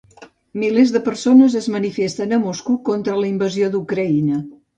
Milers de persones es manifesten a Moscou contra la invasió d'Ucraïna.